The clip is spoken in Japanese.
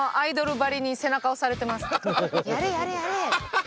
「やれやれやれ！」。